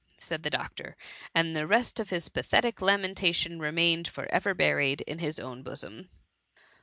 ^ said the doctor ; and the rest of his pathetic lamentation remained for ever buried in his own bosom.